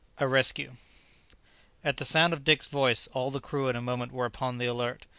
A RESCUE. At the sound of Dick's voice all the crew, in a moment, were upon the alert.